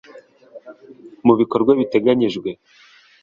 Mu bikorwa biteganyijwe